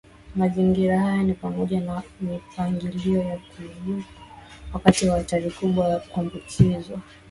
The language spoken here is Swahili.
Mazingira haya ni pamoja na mipangilio ya kuzuka wakazi wa hatari kubwa ya kuambukizwa